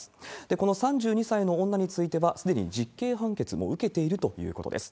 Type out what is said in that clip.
この３２歳の女については、すでに実刑判決も受けているということです。